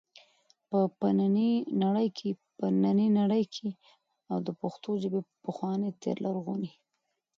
په ننی نړۍ کي او د پښتو ژبي په پخواني تیر لرغوني